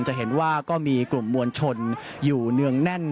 จะเห็นว่าก็มีกลุ่มมวลชนอยู่เนืองแน่น